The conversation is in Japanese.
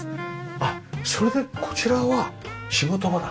あっそれでこちらは仕事場だ。